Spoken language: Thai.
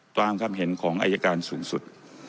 ความเห็นของอายการสูงสุด